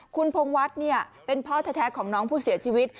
คุณพงวัฒน์เป็นพ่อแท้ของน้องผู้เสียชีวิต